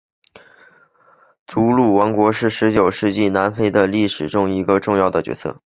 祖鲁王国是十九世纪南非的历史中的一个重要角色。